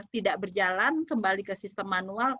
tidak berjalan kembali ke sistem manual